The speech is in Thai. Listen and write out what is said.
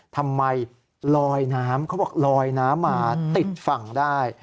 ทำไมลอยน้ำเขาบอกลอยน้ำมาติดฝั่งได้